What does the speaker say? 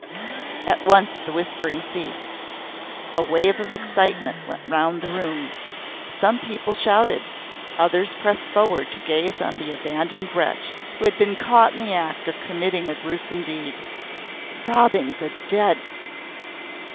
At once the whispering ceased. A wave of excitement went round the room. Some people shouted, others pressed forward to gaze on the abandoned wretch who had been caught in the act of committing a gruesome deed. "Robbing the dead!"